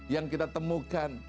yang kita temukan